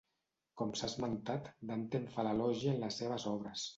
Com s'ha esmentat, Dante en fa l'elogi en les seves obres.